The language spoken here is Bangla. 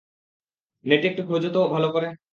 নেটে একটু খোঁজো তো ভালো করে!